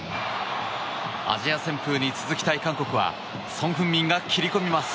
アジア旋風に続きたい韓国はソン・フンミンが切り込みます。